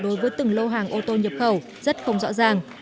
nghị định một trăm một mươi sáu với từng lô hàng ô tô nhập khẩu rất không rõ ràng